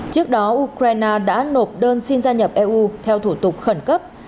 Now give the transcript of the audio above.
trước đó ukraine đã nộp đơn xin gia nhập eu theo thủ tục khẩn cấp